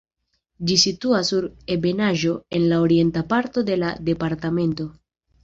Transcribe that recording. Ĝi situas sur ebenaĵo en la orienta parto de la departemento.